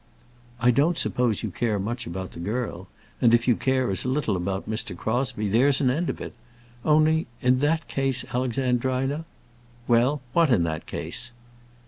"I don't suppose you care much about the girl; and if you care as little about Mr. Crosbie, there's an end of it; only in that case, Alexandrina " "Well, what in that case?"